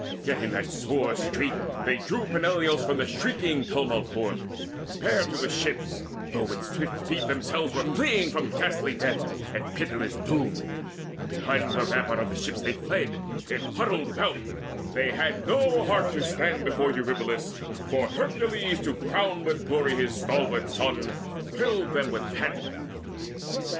Yet in that sore strait they drew Peneleos from the shrieking tumult forth, And bare to the ships, though with swift feet themselves Were fleeing from ghastly death, from pitiless doom. Behind the rampart of the ships they fled In huddled rout: they had no heart to stand Before Eurypylus, for Hercules, To crown with glory his son's stalwart son, Thrilled them with panic.